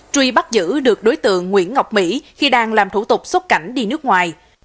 truy bắt giữ được đối tượng nguyễn ngọc mỹ khi đang làm thủ tục xốt cảnh đi nước ngoài